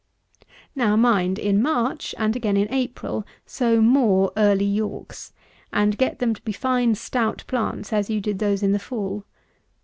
122. Now mind, in March, and again in April, sow more Early Yorks, and get them to be fine stout plants, as you did those in the fall.